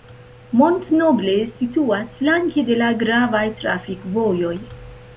Mont-Noble situas flanke de la gravaj trafikvojoj.